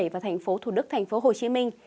và thành phố thủ đức thành phố hồ chí minh